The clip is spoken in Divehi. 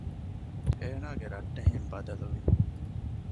އޭނާގެ ރައްޓެހިން ބަދަލުވި